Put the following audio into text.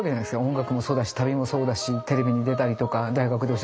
音楽もそうだし旅もそうだしテレビに出たりとか大学で教える。